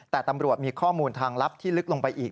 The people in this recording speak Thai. แต่ตำรวจมีข้อมูลทางลับที่ลึกลงไปอีก